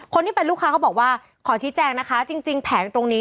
คนที่เป็นลูกค้าเขาบอกว่าขอชี้แจงนะคะจริงแผงตรงนี้